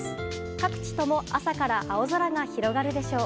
各地共朝から青空が広がるでしょう。